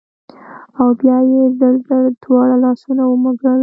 او بيا يې زر زر دواړه لاسونه ومږل